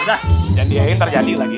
jangan diayain ntar jadi lagi